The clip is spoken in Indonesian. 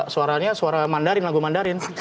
suaranya suara mandarin lagu mandarin